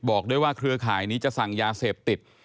บอกด้วยว่าเครือข่ายนี้จะสั่งยาเสพติด